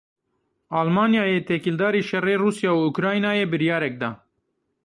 Almanyayê têkildarî şerê Rûsya û Ukraynayê biryarek da.